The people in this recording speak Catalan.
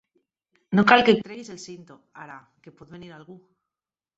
No cal que et treguis el cinto, ara, que pot venir algú.